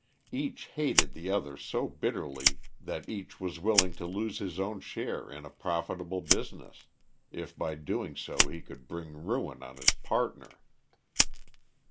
Each hated the other so bitterly that each was willing to lose his own share in a profitable business, if by doing so he could bring ruin on his partner.